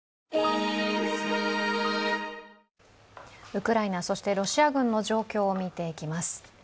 ウクライナ、そしてロシア軍の状況を見ていきます。